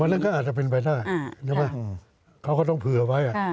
วันนั้นก็อาจจะเป็นไปได้เขาก็ต้องเผื่อไว้